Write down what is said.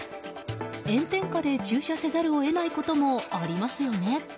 炎天下で、駐車せざるを得ないこともありますよね。